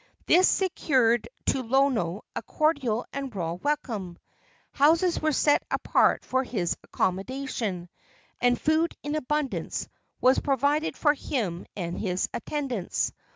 This secured to Lono a cordial and royal welcome. Houses were set apart for his accommodation, and food in abundance was provided for him and his attendants.